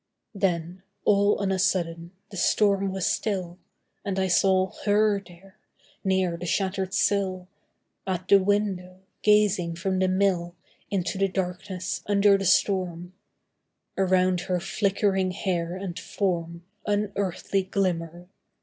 Then, all on a sudden, the storm was still And I saw her there, near the shattered sill, At the window, gazing from the mill Into the darkness under the storm; Around her flickering hair and form Unearthly glimmer.